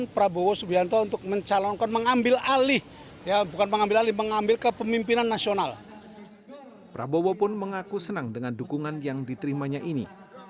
prabowo pun mengaku senang dengan dukungan yang diterimanya ini